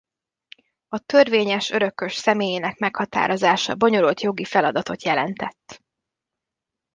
A törvényes örökös személyének meghatározása bonyolult jogi feladatot jelentett.